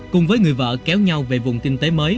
cùng với người vợ kéo nhau về vùng kinh tế mới